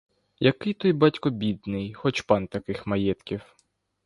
Який той батько бідний, хоч пан таких маєтків.